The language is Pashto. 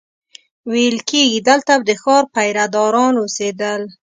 ویل کېږي دلته به د ښار پیره داران اوسېدل.